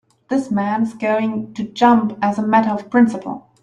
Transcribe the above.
This man's going to jump as a matter of principle.